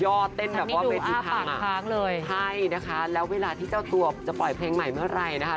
เต้นแบบว่าเวทีปากค้างเลยใช่นะคะแล้วเวลาที่เจ้าตัวจะปล่อยเพลงใหม่เมื่อไหร่นะคะ